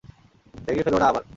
ভেঙ্গে ফেলো না আবার।